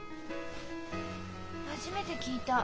初めて聞いた。